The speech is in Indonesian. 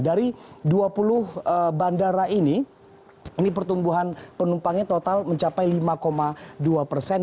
dari dua puluh bandara ini ini pertumbuhan penumpangnya total mencapai lima dua persen